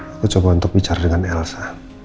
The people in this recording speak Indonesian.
aku coba untuk bicara dengan elsa